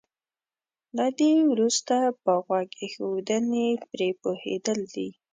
له دې وروسته په غوږ ايښودنې پرې پوهېدل دي.